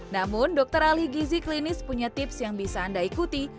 namun dokter ahli gizi klinis punya tips yang bisa anda ikuti